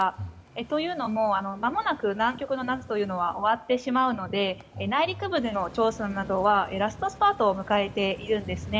というのも、まもなく南極は終わってしまうので内陸部での調査などはラストスパートを迎えているんですね。